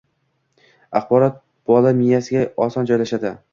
– axborot bola miyasiga oson joylashadi.